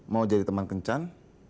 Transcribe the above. mau jadi teman kencan